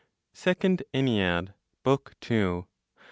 SECOND ENNEAD, BOOK TWO.